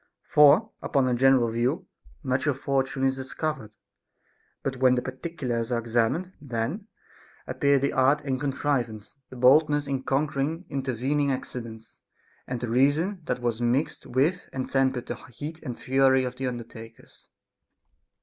For, upon a general view, much of fortune is discovered ; but when the particulars are ex amined, then appear the art and contrivance, the boldness in conquering intervening accidents, and the reason that was mixed with and tempered the heat and fury of the undertakers.